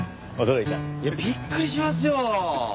驚いた？いやびっくりしますよ！